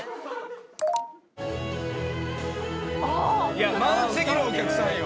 いや満席のお客さんよ。